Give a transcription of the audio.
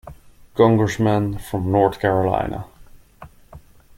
Congressman from North Carolina.